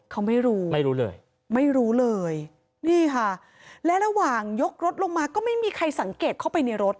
เขาไม่รู้ไม่รู้เลยไม่รู้เลยนี่ค่ะและระหว่างยกรถลงมาก็ไม่มีใครสังเกตเข้าไปในรถ